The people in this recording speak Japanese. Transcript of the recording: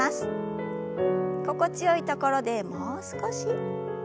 心地よいところでもう少し。